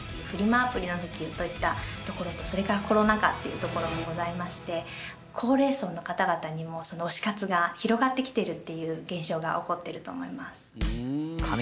アプリの普及といったところとそれからコロナ禍っていうところもございまして高齢層の方々にも推し活が広がってきてるっていう現象が起こってると思います。